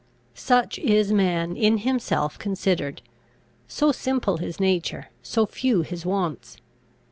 Such is man in himself considered; so simple his nature; so few his wants.